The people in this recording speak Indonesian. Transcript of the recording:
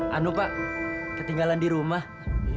harusnya menjadi malfur smooth ya